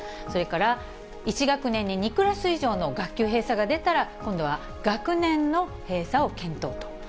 それから１学年に２クラス以上の学級閉鎖が出たら、今度は学年の閉鎖を検討と。